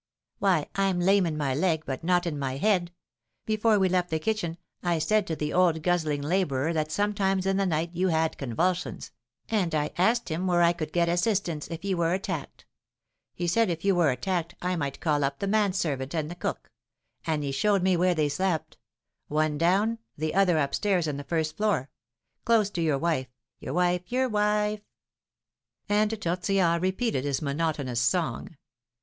"Why, I'm lame in my leg, but not in my head. Before we left the kitchen I said to the old guzzling labourer that sometimes in the night you had convulsions, and I asked him where I could get assistance if you were attacked. He said if you were attacked I might call up the man servant and the cook; and he showed me where they slept; one down, the other up stairs in the first floor, close to your wife your wife your wife!" And Tortillard repeated his monotonous song.